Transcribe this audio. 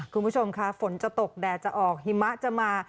คุณผู้ชมค่ะฝนจะตกแดดจะออกหิมะจะมา